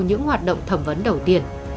những hoạt động thẩm vấn đầu tiên